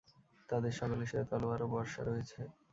তাদের সকলের সাথে তলোয়ার ও বর্শা রয়েছে।